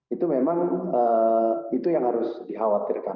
itu memang itu yang harus dikhawatirkan